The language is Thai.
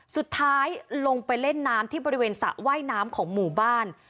สุดท้ายลงไปเล่นน้ำที่บริเวณสระว่ายน้ำของหมู่บ้าน